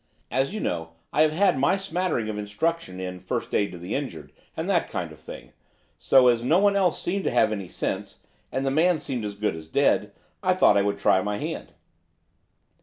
As you know, I have had my smattering of instruction in First Aid to the Injured, and that kind of thing, so, as no one else seemed to have any sense, and the man seemed as good as dead, I thought I would try my hand.